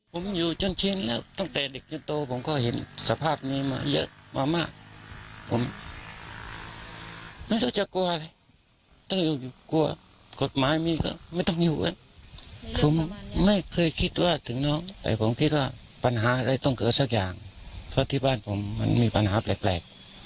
ผมบอกจากบ้านชั่วโมงกลับมามันแปลกอะมันอะไร